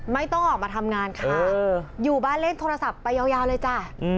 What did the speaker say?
ไม่ต้องออกมาทำงานค่ะอยู่บ้านเล่นโทรศัพท์ไปยาวเลยจ้ะ